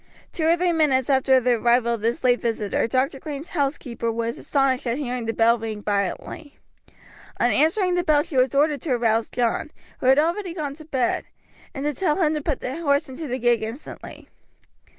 Two or three minutes after the arrival of this late visitor Dr. Green's housekeeper was astonished at hearing the bell ring violently. On answering the bell she was ordered to arouse John, who had already gone to bed, and to tell him to put the horse into the gig instantly.